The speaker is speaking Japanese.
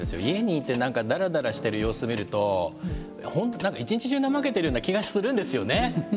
家にいてなんかだらだらしてる様子見るとほんとなんか一日中怠けてるような気がするんですよね。